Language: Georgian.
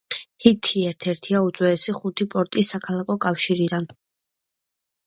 ჰითი ერთ-ერთია უძველესი ხუთი პორტის საქალაქო კავშირიდან.